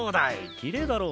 きれいだろ？